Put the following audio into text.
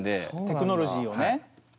テクノロジーをね。